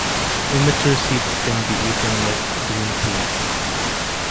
Immature seeds can be eaten like green peas.